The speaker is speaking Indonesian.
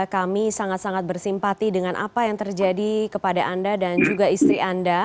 kami sangat sangat bersimpati dengan apa yang terjadi kepada anda dan juga istri anda